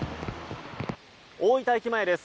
大分駅前です。